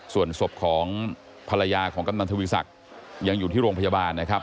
ส่วนศพของภรรยาของกำนันทวีศักดิ์ยังอยู่ที่โรงพยาบาลนะครับ